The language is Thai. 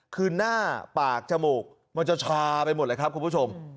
คือหน้าปากจมูกมันจะชาไปหมดเลยครับคุณผู้ชม